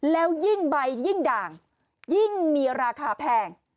แล้วยิ่งใบยิ่งด่างยิ่งมีราคาแพง